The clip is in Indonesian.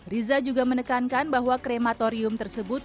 riza juga menekankan bahwa krematorium tersebut